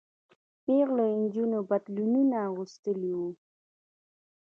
پيغلو نجونو پتلونونه اغوستي وو.